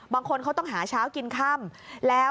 บางคนเขาต้องหาเช้ากินค่ำแล้ว